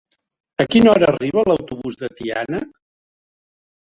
A quina hora arriba l'autobús de Tiana?